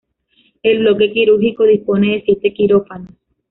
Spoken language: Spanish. El bloque quirúrgico dispone de siete quirófanos.